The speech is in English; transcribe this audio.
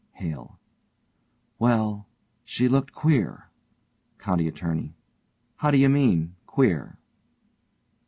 HALE: Well, she looked queer. COUNTY ATTORNEY: How do you mean queer?